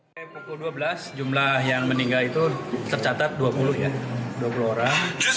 pada pukul dua belas jumlah yang meninggal itu tercatat dua puluh ya dua puluh orang